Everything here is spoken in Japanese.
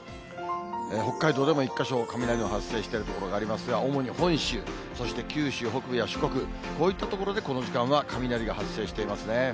北海道でも１か所、雷が発生している所がありますが、主に本州、そして九州北部や四国、こういった所で、この時間は雷が発生していますね。